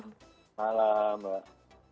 selamat malam mbak